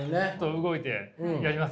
動いてやります？